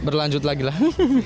berlanjut lagi lah